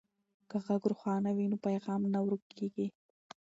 که غږ روښانه وي نو پیغام نه ورکیږي.